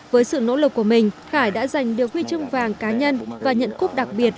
với sự nỗ lực của mình khải đã giành được huy chương vàng cá nhân và nhận cúp đặc biệt